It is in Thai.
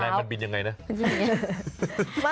แต่มันบินยังไงนะ